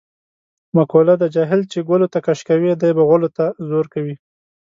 مقوله ده: جاهل چې ګلوته کش کوې دی به غولو ته زور کوي.